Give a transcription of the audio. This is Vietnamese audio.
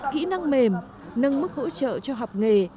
kỹ năng mềm nâng mức hỗ trợ cho học nghề